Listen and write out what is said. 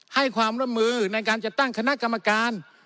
ให้ความร่วมมือในการจะตั้งคณะกรรมการ